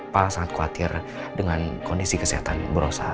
pak al sangat khawatir dengan kondisi kesehatan bu rosa